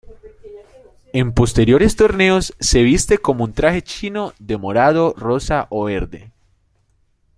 En posteriores torneos, se viste como un traje chino, de morado, rosa o verde.